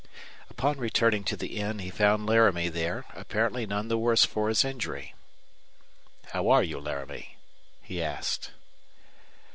Upon returning to the inn he found Laramie there, apparently none the worse for his injury. "How are you, Laramie?" he asked.